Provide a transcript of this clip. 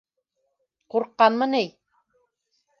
Ҡурҡҡанмы ни?